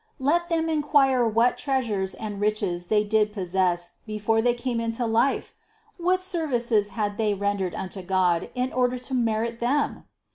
Let them inquire what treasures and THE CONCEPTION 287 riches they did possess before they came into life? What services had they rendered unto God in order to merit them?